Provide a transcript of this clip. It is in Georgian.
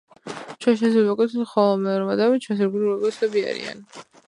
ჩვენ შეცდომით ვასკვნით ხოლმე, რომ ადამიანები ჩვენს ირგვლივ ეგოისტები არიან.